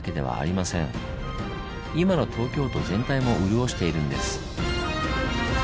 いまの東京都全体も潤しているんです。